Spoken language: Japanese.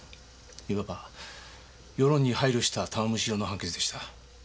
いわば世論に配慮した玉虫色の判決でした。